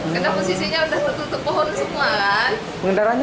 karena posisinya sudah tertutup pohon semua kan